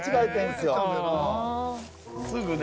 すぐね。